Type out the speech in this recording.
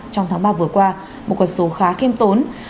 trong tháng ba vừa qua một quần số khá kiêm tốn